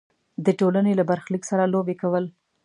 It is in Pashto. د ټولنې له برخلیک سره لوبې کول.